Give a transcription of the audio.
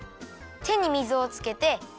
てに水をつけて。